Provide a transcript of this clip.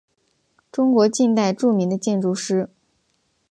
中国近代著名的建筑师。